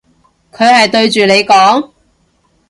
佢係對住你講？